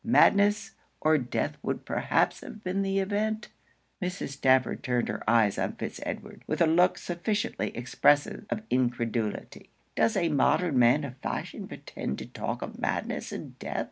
Madness or death would perhaps have been the event.' Mrs. Stafford turned her eyes on Fitz Edward, with a look sufficiently expressive of incredulity 'Does a modern man of fashion pretend to talk of madness and death?